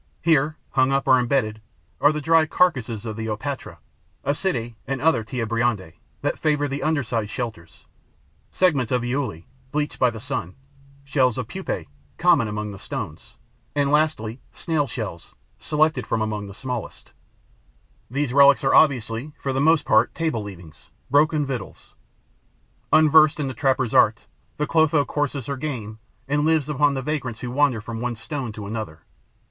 Here, hung up or embedded, are the dry carcasses of Opatra, Asidae and other Tenebrionidae that favour underrock shelters; segments of Iuli, bleached by the sun; shells of Pupae, common among the stones; and, lastly, Snail shells, selected from among the smallest. These relics are obviously, for the most part, table leavings, broken victuals. Unversed in the trapper's art, the Clotho courses her game and lives upon the vagrants who wander from one stone to another.